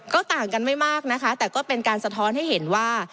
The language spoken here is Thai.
ก็ต่างกันไม่มากนะคะแต่ก็เป็นการสะท้อนให้เห็นว่า